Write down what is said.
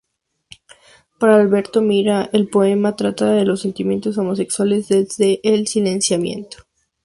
Para Alberto Mira, el poema trata los sentimientos homosexuales desde el silenciamiento.